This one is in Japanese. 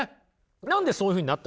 何でそういうふうになった。